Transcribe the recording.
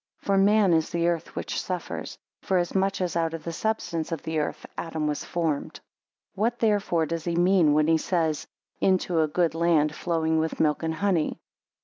For man is the earth which suffers: forasmuch as out of the substance of the earth Adam was formed. 10 What therefore does he mean when he says, Into a good land flowing with milk and honey?